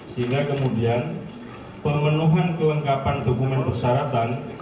sehingga kemudian pemenuhan kelengkapan dokumen persyaratan